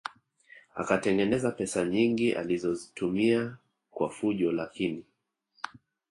Akatengeneza pesa nyingi alizozitumia kwa fujo lakini